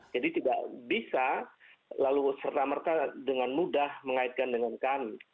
jadi tidak bisa lalu serta merta dengan mudah mengaitkan dengan kami